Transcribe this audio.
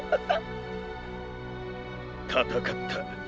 戦った。